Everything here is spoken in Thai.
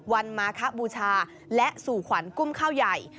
วันมาคบูชาและสู่ขวัญกุ้มข้าวใหญ่